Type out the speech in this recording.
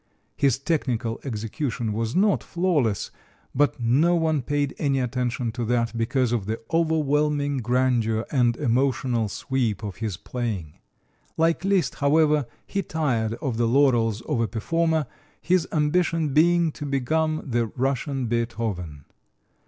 His technical execution was not flawless, but no one paid any attention to that, because of the overwhelming grandeur and emotional sweep of his playing. Like Liszt, however, he tired of the laurels of a performer, his ambition being to become the Russian Beethoven.